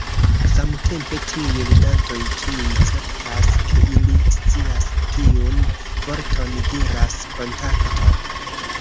Samtempe tiuj ludantoj kiuj certas ke ili scias tiun vorton diras "Kontakto!